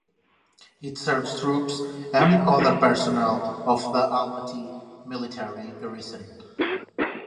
It serves troops and other personnel of the Almaty Military Garrison.